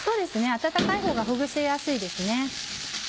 温かいほうがほぐしやすいですね。